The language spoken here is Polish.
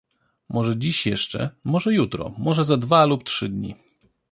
Może dziś jeszcze, może jutro, może za dwa lub trzy dni.